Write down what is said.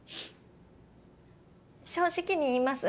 正直に言います。